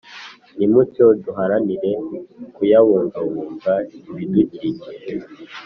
Nimucyo duharanire kuyabungabunga ibidukikije